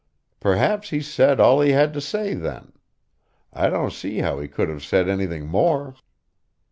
Perhaps he said all he had to say then; I don't see how he could have said anything more.